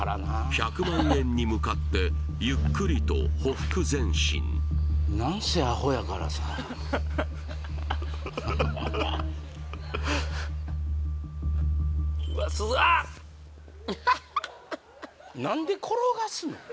１００万円に向かってゆっくりとほふく前進何せアホやからさ何で転がすの？